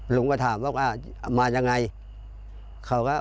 หลุงก็ถามว่าก็มาจากไร